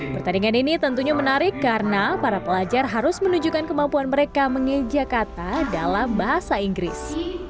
pertandingan ini tentunya menarik karena para pelajar harus menunjukkan kemampuan mereka mengeja kata dalam bahasa inggris